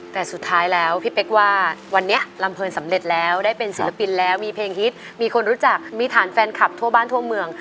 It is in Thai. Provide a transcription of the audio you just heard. แต่สุดท้ายแล้วพี่เป๊กว่าวันนี้ลำเพลินสำเร็จแล้วได้เป็นศิลปินแล้วมีเพลงฮิตมีคนรู้จักมีฐานแฟนคลับทั่วบ้านทั่วเมือง